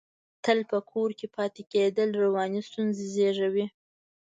تل په کور کې پاتې کېدل، رواني ستونزې زېږوي.